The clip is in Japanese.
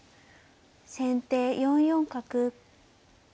先手４四角。